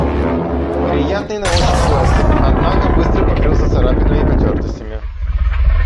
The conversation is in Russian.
Приятный на ощупь пластик, однако, быстро покрылся царапинами и потертостями.